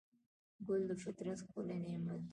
ګل د فطرت ښکلی نعمت دی.